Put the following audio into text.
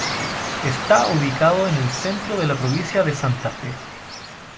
Está ubicado en el centro de la provincia de Santa Fe.